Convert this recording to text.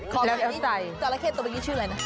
ของตัวละเข้ตตัวนี้ชื่ออะไรนะ